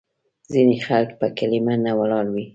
ځینې خلک په کلیمه نه ولاړ وي.